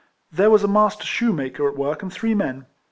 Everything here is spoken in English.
There was a master shoe maker at work and three men.